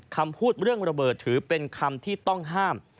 คำพูดเรื่องระเบิดถือเป็นคำที่ต้องห้าม